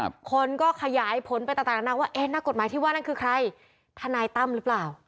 ทีนี้คุณก็ขยายผลไปต่างว่านักกฎหมายที่ว่านั่นคือใครทนายตั้มหรือเปล่า